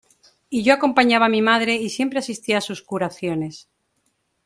Y yo acompañaba a mi madre y siempre asistía a sus curaciones.